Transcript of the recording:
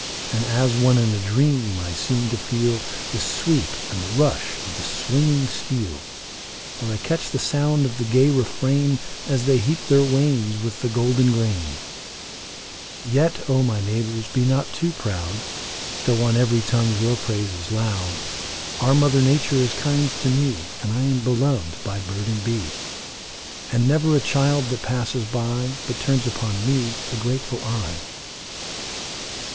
And as one in a dream I seem to feel The sweep and the rush of the swinging steel, Or I catch the sound of the gay refrain As they heap their wains with the golden grain. THE FALLOW FIELD 307 Yet, O my neighbors, be not too proud, Though on every tongue your praise is loud. Our mother Nature is kind to me, And I am beloved by bird and bee, And never a child that passes by But turns upon me a grateful eye.